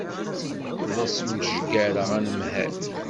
La smejgareɣ anemhal.